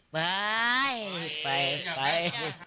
ไปไปไป